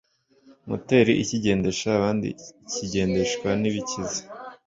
Moteri ikigendesha kandi kigendeshwa n ibikigize